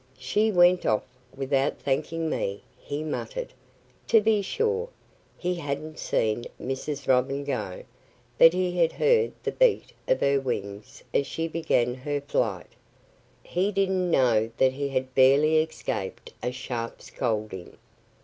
"She went off without thanking me," he muttered. To be sure, he hadn't seen Mrs. Robin go, but he had heard the beat of her wings as she began her flight. He didn't know that he had barely escaped a sharp scolding.